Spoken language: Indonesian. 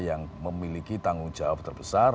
yang memiliki tanggung jawab terbesar